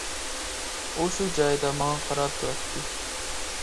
ئۇ شۇ جايىدا ماڭا قاراپ تۇراتتى.